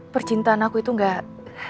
percintaan aku itu gak